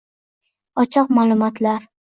Ochiq ma'lumotlar